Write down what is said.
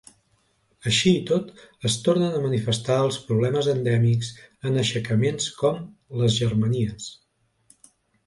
Així i tot es tornen a manifestar els problemes endèmics en aixecaments com les Germanies.